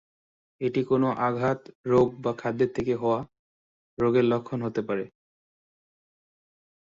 এটি কোনো আঘাত, রোগ বা খাদ্যের থেকে হওয়া রোগের লক্ষণ হতে পারে।